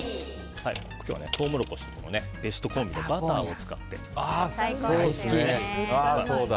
今日はトウモロコシとベストコンビのバターを使います。